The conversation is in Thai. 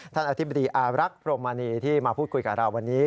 อธิบดีอารักษ์พรมณีที่มาพูดคุยกับเราวันนี้